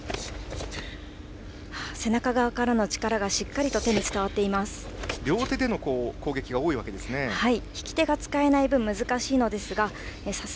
背中側からの力がしっかり手に伝わっています。